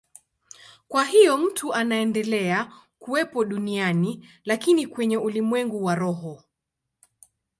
Kwa hiyo mtu anaendelea kuwepo duniani, lakini kwenye ulimwengu wa roho.